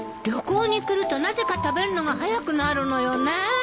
旅行に来るとなぜか食べるのが早くなるのよね。